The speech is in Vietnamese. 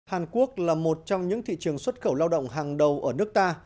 hàn quốc là một trong những thị trường xuất khẩu lao động hàng đầu ở nước ta